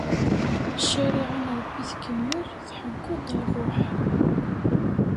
Ccariɛa n Rebbi tekmel, tḥeyyu-d ṛṛuḥ.